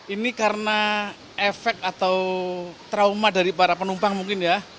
ini karena efek atau trauma dari para penumpang mungkin ya